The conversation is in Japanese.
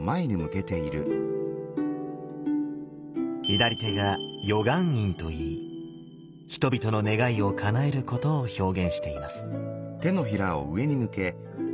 左手が与願印と言い人々の願いをかなえることを表現しています。